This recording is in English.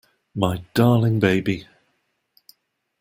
My darling baby.